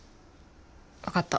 わかった。